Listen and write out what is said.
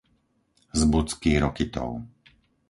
Zbudský Rokytov